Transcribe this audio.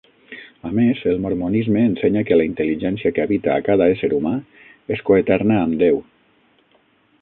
A més, el mormonisme ensenya que la intel·ligència que habita a cada ésser humà és coeterna amb Déu.